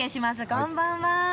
こんばんは。